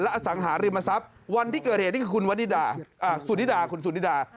อสังหาริมทรัพย์วันที่เกิดเหตุนี่คือคุณวันสุนิดาคุณสุนิดา